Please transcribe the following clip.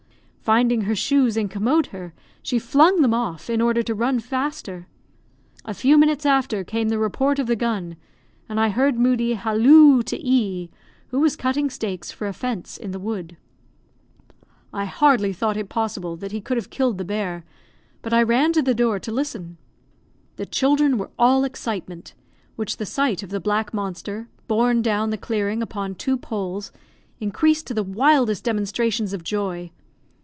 Finding her shoes incommode her, she flung them off, in order to run faster. A few minutes after, came the report of the gun, and I heard Moodie halloo to E , who was cutting stakes for a fence in the wood. I hardly thought it possible that he could have killed the bear, but I ran to the door to listen. The children were all excitement, which the sight of the black monster, borne down the clearing upon two poles, increased to the wildest demonstrations of joy.